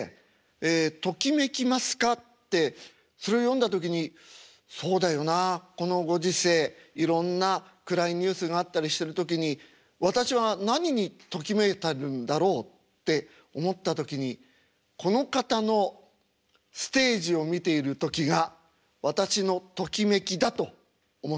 ええ「ときめきますか？」ってそれを読んだ時に「そうだよな。このご時世いろんな暗いニュースがあったりしてる時に私は何にときめいてるんだろう」って思った時にこの方のステージを見ている時が私のときめきだと思った。